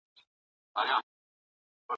ډاکټران مرسته کړې ده.